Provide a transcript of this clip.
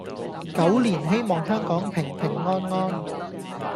狗年希望香港平平安安